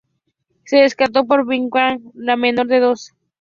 Se decantó por Virgin Atlantic, la menor de las dos.